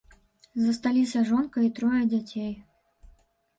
Засталіся жонка і трое дзяцей.